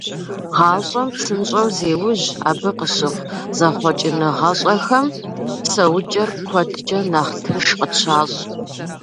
Гъащӏэм псынщӏэу зеужь, абы къыщыхъу зэхъуэкӏыныгъэщӏэхэм псэукӏэр куэдкӏэ нэхъ тынш къытщащӏ.